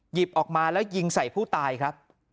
หยิบออกมาแล้วยิงใส่ผู้ตายครับ